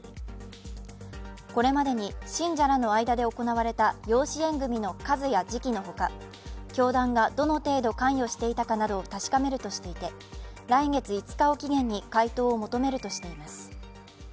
これまでに信者らの間で行われた養子縁組みの数や時期のほか教団がどの程度、関与していたかなどを確かめるとしていて来月５日を期限に回答を求めるとしています。